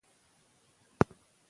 ریښتینی اوسئ.